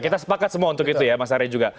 kita sepakat semua untuk itu ya mas arya juga